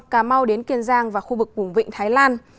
cà mau đến kiên giang và khu vực cùng vịnh thái lan